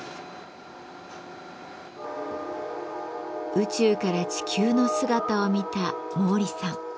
宇宙から地球の姿を見た毛利さん。